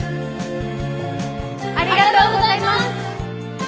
ありがとうございます！